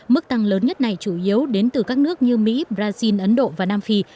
mức tăng lớn nhất này chủ yếu đến từ các nước như mỹ brazil ấn độ và nam phi